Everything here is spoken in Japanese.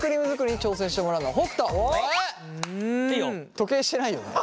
時計してないよね。